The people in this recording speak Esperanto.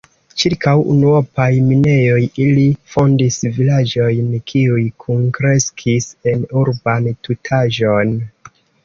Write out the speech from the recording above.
Ĉirkaŭ unuopaj minejoj ili fondis vilaĝojn, kiuj kunkreskis en urban tutaĵon.